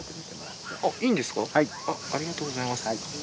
ありがとうございます。